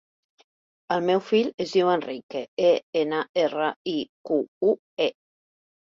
El meu fill es diu Enrique: e, ena, erra, i, cu, u, e.